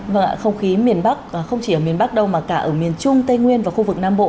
vâng ạ không khí miền bắc không chỉ ở miền bắc đâu mà cả ở miền trung tây nguyên và khu vực nam bộ